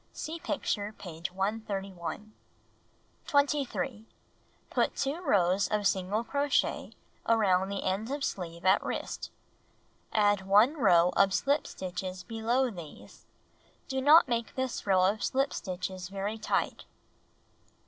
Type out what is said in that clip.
(See picture, page 131.) "Look out, Crow Shay! A Teddy Bear Suit 135 23. Put 2 rows of single crochet around the end of sleeve at wrist. Add one row of shp stitches below these. Do not make this row of slip stitches very tight.